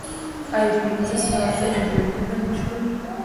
آیا پنځه سوه تنه ژوندي پاتې سول؟